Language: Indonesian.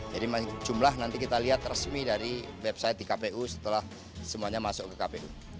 jadi jumlah nanti kita lihat resmi dari website di kpu setelah semuanya masuk ke kpu